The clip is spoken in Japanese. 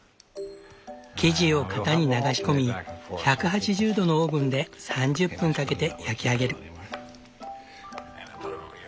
生地を型に流し込み１８０度のオーブンで３０分かけて焼き上げる。